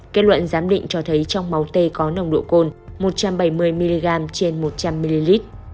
kết luận giám định cho thấy trong máu tê có nồng độ cồn một trăm bảy mươi mg trên một trăm linh ml